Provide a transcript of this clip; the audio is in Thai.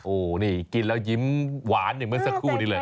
โอ้โหนี่กินแล้วยิ้มหวานอย่างเมื่อสักครู่นี้เลย